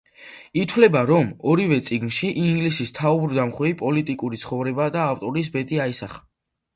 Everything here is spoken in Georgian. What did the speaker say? ითვლება, რომ ორივე წიგნში ინგლისის თავბრუდამხვევი პოლიტიკური ცხოვრება და ავტორის ბედი აისახა.